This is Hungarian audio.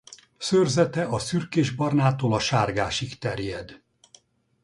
Szőrzete a szürkés barnától a sárgásig terjed.